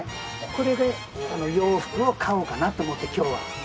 これで洋服を買おうかなと思って今日は。